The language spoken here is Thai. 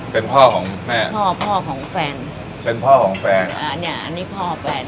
เป็นพ่อของแม่พ่อพ่อของแฟนเป็นพ่อของแฟนอ่าเนี้ยอันนี้พ่อแฟน